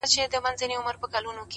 مُريد ښه دی ملگرو او که پير ښه دی،